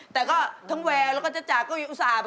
แต่ก็ทั้งแวร์แล้วก็จากก็ยิ่งอุตส่าห์